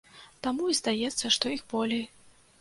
Таму і здаецца, што іх болей.